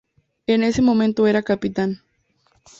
En ese momento era capitán.